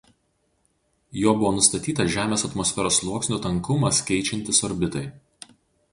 Juo buvo nustatytas Žemės atmosferos sluoksnių tankumas keičiantis orbitai.